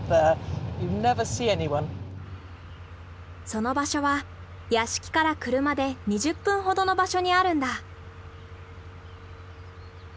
その場所は屋敷から車で２０分ほどの場所にあるんだ。